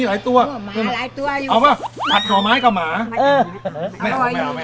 ใช่มะม่วงนะแม่